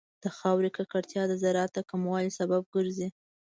د خاورې ککړتیا د زراعت د کموالي سبب ګرځي.